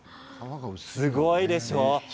すごいでしょう？